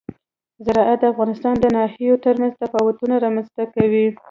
زراعت د افغانستان د ناحیو ترمنځ تفاوتونه رامنځ ته کوي.